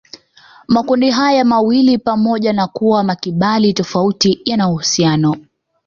Makundi haya mawili pamoja na kuwa makibali tofauti yana uhusiano